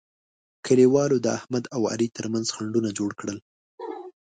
کلیوالو د احمد او علي ترمنځ خنډونه جوړ کړل.